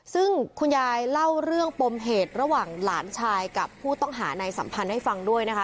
ซึ่งคุณยายเล่าเรื่องปมเหตุระหว่างหลานชายกับผู้ต้องหาในสัมพันธ์ให้ฟังด้วยนะคะ